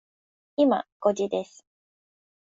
今、五時です。